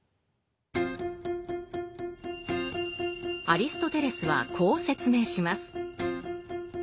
アリストテレスはこう説明します。